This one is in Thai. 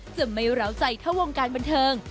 จะไม่ร้าวใจเท่าวงการบันเทิง